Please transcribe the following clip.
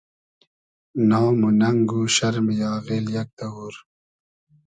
نام و نئنگ و شئرمی آغیل یئگ دئوور